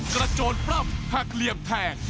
กระโจนปรับแพกเหลี่ยมแทง